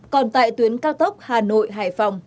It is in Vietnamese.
còn tại tuyến cao tốc hà nội hải phòng